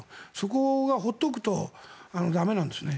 そこが放っておくと駄目なんです。